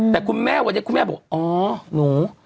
แต่คุณแม่วันนี้คุณแม่บอกอ๋อหนู